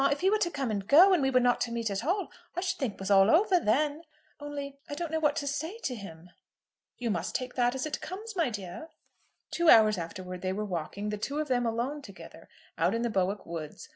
If he were to come and go, and we were not to meet at all, I should think it was all over then. Only, I don't know what to say to him." "You must take that as it comes, my dear." Two hours afterwards they were walking, the two of them alone together, out in the Bowick woods.